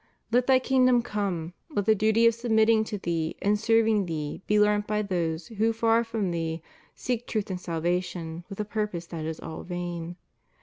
Let Thy kingdom come; let the duty of submitting to Thee and serving Thee be learnt by those who, far from Thee, seek truth and salvation with a purpose that is all vain.